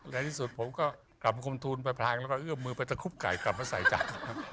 ในที่สุดผมก็กลับมาคมทูลไปพลางแล้วก็เอื้อมมือไปตะคุบไก่กลับมาใส่ใจครับ